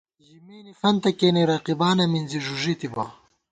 ژِمېنے فنتہ کېنے رقیبانہ مِنزی ݫُݫِی تِبہ